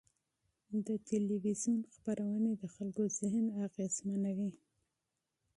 د تلویزیون خپرونې د خلکو ذهن اغېزمنوي.